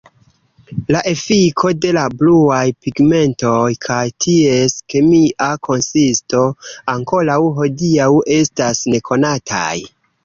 La efiko de la bluaj pigmentoj kaj ties kemia konsisto ankoraŭ hodiaŭ estas nekonataj.